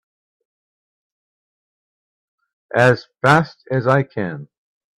As fast as I can!